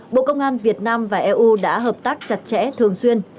bộ công an việt nam và eu đã hợp tác chặt chẽ thường xuyên